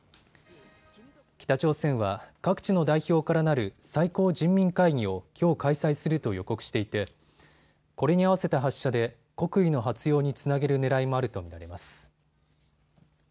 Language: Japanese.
北朝鮮は各地の代表からなる最高人民会議をきょう開催すると予告していてこれに合わせた発射で国威の発揚につなげるねらいもあると見られます。